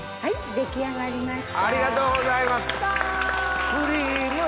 出来上がりました。